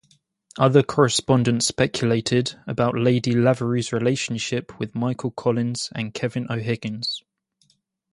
Other correspondents speculated about Lady Lavery's relationship with Michael Collins and Kevin O'Higgins.